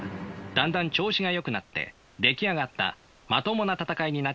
だんだん調子がよくなって出来上がったまともな戦いになってきていると。